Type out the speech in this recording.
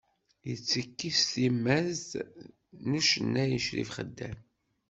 Yettiki s timmad n ucennay Crif Xeddam.